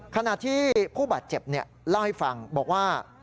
ขณะที่ผู้บาดเจ็บเล่าให้ฟังบอกว่า